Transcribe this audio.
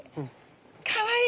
かわいい。